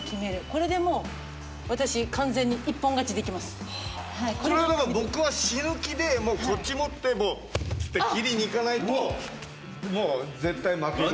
これでもう私完全にこれはだから僕は死ぬ気でこっち持ってもうって切りにいかないともう絶対負ける。